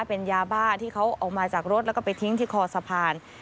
เป็นยาบ้าที่เขาออกมาจากรถแล้วก็ไปทิ้งที่คอสะพาน